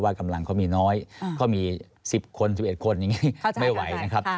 กำลังเขามีน้อยเขามี๑๐คน๑๑คนอย่างนี้ไม่ไหวนะครับ